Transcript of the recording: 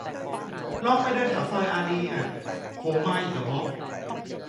ลองไปเดินแถวซอยอารีย์อะ โผล่มาอย่างกะม็อบ